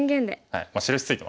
はい。